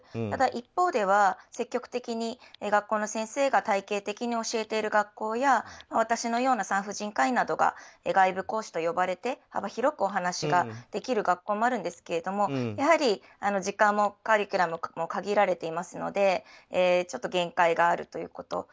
ただ、一方では積極的に学校の先生が体系的に教えている学校や私のような産婦人科医などが外部講師で呼ばれて幅広くお話ができる学校もあるんですけれどやはり時間もカリキュラムも限られていますのでちょっと限界があるということ。